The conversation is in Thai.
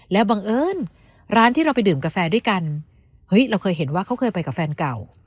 แล้วบังเอิญร้านที่เราไปดื่มกาแฟด้วยกันเฮ้ยเราเคยเห็นว่าเขาเคยไปกับแฟนเก่า